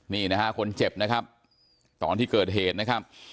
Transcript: นี่นะฮะคนเจ็บนะครับตอนที่เกิดเหตุนะครับ